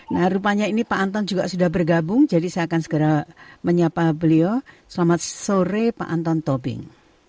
nah rupanya ini pak anton juga sudah bergabung jadi saya akan segera menyapa beliau selamat sore pak anton tobing